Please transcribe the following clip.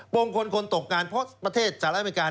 มงคลคนตกงานเพราะประเทศสหรัฐอเมริกา